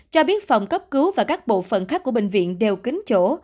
cho biết phòng cấp cứu và các bộ phận khác của bệnh viện đều kính chỗ